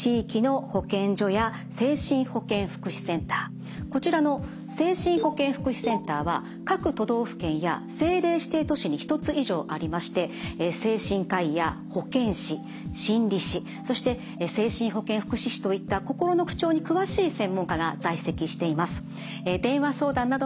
まず１つ目こちらの精神保健福祉センターは各都道府県や政令指定都市に１つ以上ありまして精神科医や保健師心理士そして精神保健福祉士といった心の不調に詳しい専門家が在籍しています。